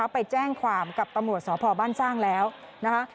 ไปแจ้งความกับตำรวจสพบ้านสร้างแล้วนะคะ